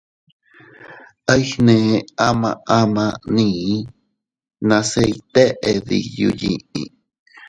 Aiynee ama ama nii nase iyteʼe diyu yiʼi.